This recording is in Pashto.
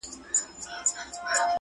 له کهاله مي دي راوړي سلامونه!